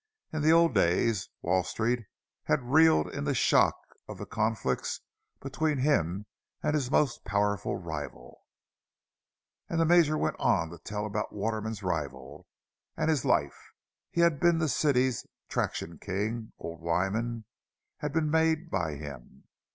In the old days Wall Street had reeled in the shock of the conflicts between him and his most powerful rival. And the Major went on to tell about Waterman's rival, and his life. He had been the city's traction king, old Wyman had been made by him.